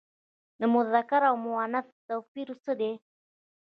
د مذکر او مونث توپیر سخت دی.